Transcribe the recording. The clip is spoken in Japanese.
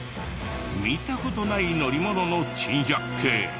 見た事ない乗り物の珍百景。